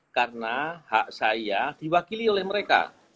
karena hak saya diwakili oleh mereka